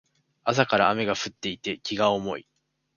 朝から雨が降っていて気が重い